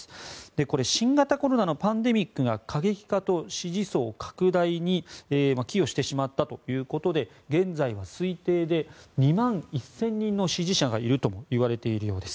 これ新型コロナのパンデミックが過激化と支持層拡大に寄与してしまったということで現在は推定で２万１０００人の支持者がいるとも言われているようです。